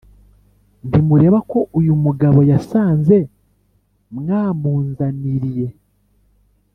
ntimureba ko uyu mugabo yasaze Mwamunzaniriye